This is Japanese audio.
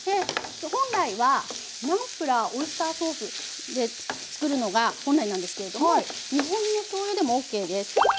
本来はナンプラーオイスターソースで作るのが本来なんですけれども日本のしょうゆでもＯＫです。